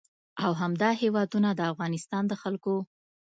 او همدا هېوادونه د افغانستان د خلکو